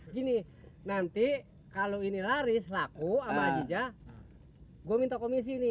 gini nanti kalau ini laris laku sama aja gue minta komisi nih